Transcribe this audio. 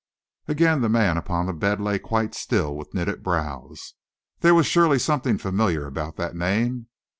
Again the man upon the bed lay quite still, with knitted brows. There was surely something familiar about that name.